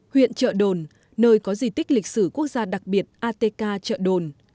huyện trợ đồn nơi có di tích lịch sử quốc gia đặc biệt atk chợ đồn